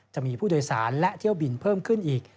จะมีผู้โดยสารและเที่ยวบินเพิ่มขึ้นอีก